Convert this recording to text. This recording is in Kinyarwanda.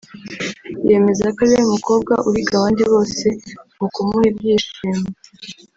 yemeza ko ariwe mukobwa uhiga abandi bose mu kumuha ibyishimo